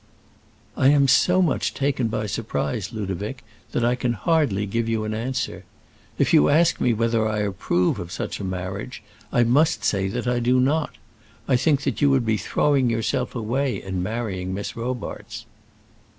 "I am so much taken by surprise, Ludovic, that I can hardly give you an answer. If you ask me whether I approve of such a marriage, I must say that I do not; I think that you would be throwing yourself away in marrying Miss Robarts."